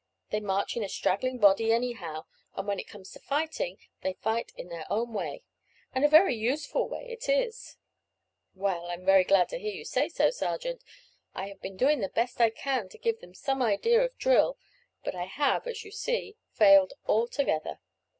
They march in a straggling body anyhow, and when it comes to fighting, they fight in their own way, and a very useful way it is." "Well, I am very glad to hear you say so, sergeant. I have been doing the best I can to give them some idea of drill; but I have, as you see, failed altogether.